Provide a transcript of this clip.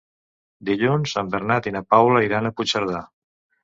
Dilluns en Bernat i na Paula iran a Puigcerdà.